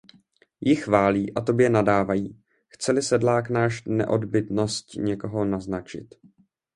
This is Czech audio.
Ji chválí a tobě nadávají, chce-li sedlák náš neodbytnosť někoho naznačit.